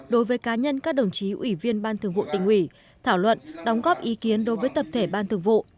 đối với cá nhân các đồng chí ủy viên ban thường vụ tỉnh ủy thảo luận đóng góp ý kiến đối với tập thể ban thường vụ